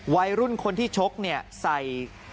วัยรุ่นคนที่ชกใส่